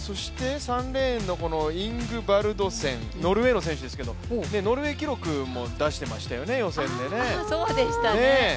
３レーンのイングバルドセンノルウェーの選手ですけれどもノルウェー記録も出していましたよね、予選で。